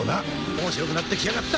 面白くなってきやがった！